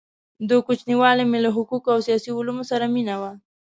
د كوچنیوالي مي له حقو قو او سیاسي علومو سره مینه وه؛